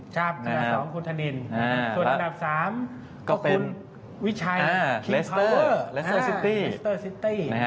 ส่วนอันดับ๓ก็คุณวิชัยรัสเตอร์ซิตี้